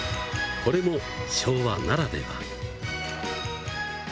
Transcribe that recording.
これも昭和ならでは。